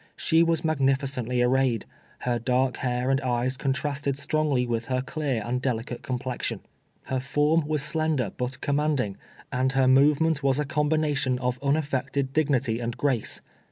She was magnifi cently arrayed. Her dark hair and eyes contrasted strongly with her clear and delicate complexion. Her form was slender but commanding, and her 286 TWELVE TEARS A SLAVE. movement was a combination of nnaft'ected dignity and grace.